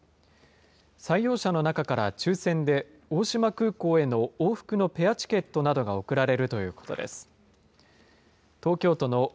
採用者の中から抽せんで、大島空港への往復のペアチケットなどが贈られるということです。